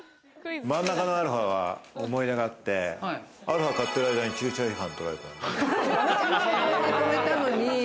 真ん中のアロハは思い出があって、アロハ買ってる間に駐車違反を取られた。